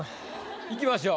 いきましょう。